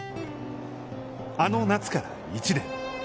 あの夏から１年。